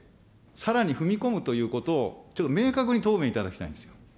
さらに踏み込むということを、ちょっと明確に答弁いただきたいんですよ。